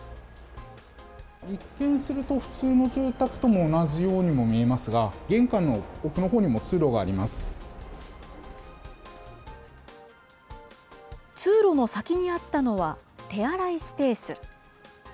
一見すると普通の住宅とも同じようにも見えますが、玄関の奥通路の先にあったのは、手洗いスペース。